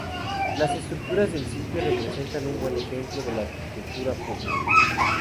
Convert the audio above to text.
Las estructuras del sitio representan un buen ejemplo de la arquitectura Puuc.